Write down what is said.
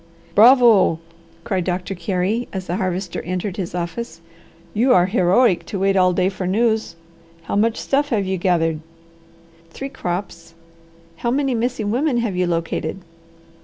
"Bravo!" cried Doctor Carey as the Harvester entered his office. "You are heroic to wait all day for news. How much stuff have you gathered?" "Three crops. How many missing women have you located?"